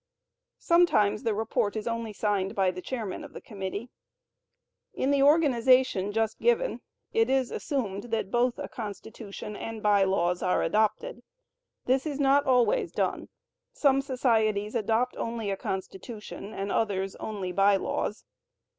Sometimes the report is only signed by the chairman of the committee. In the organization just given, it is assumed that both a Constitution and By Laws are adopted. This is not always done; some societies adopt only a Constitution, and others only By Laws.